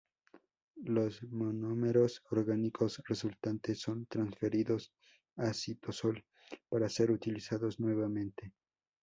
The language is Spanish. Los monómeros orgánicos resultantes son transferidos a citosol para ser utilizados nuevamente.